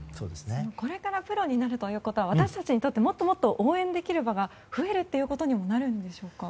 これからプロになるということは私たちにとってもっともっと応援できる場が増えるということにもなるんでしょうか。